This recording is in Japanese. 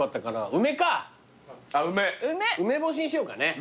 梅干しにしようかね。